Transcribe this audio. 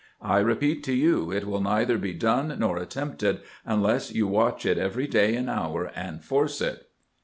I repeat to you, it will neither be done nor attempted unless you watch it every day and hour, and force it.